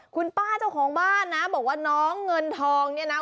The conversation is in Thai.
คุณป้าเจ้าของบ้านนะบอกว่าน้องเงินทองเนี่ยนะ